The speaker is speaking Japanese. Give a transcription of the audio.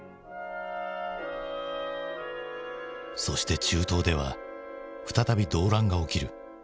そして中東では再び動乱が起きる。